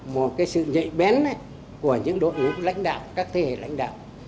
một cái sự nhạy bén của những đội ngũ lãnh đạo các thế hệ lãnh đạo